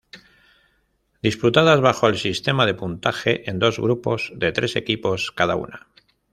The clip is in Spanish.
Disputadas bajo el sistema de puntaje en dos grupos de tres equipos cada uno.